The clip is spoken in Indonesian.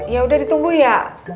ya udah ditunggu ya